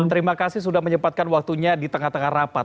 terima kasih sudah menyempatkan waktunya di tengah tengah rapat